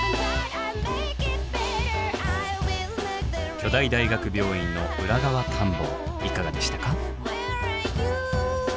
巨大大学病院の裏側探訪いかがでしたか？